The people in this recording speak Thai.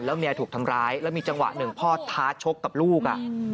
เมียถูกทำร้ายแล้วมีจังหวะหนึ่งพ่อท้าชกกับลูก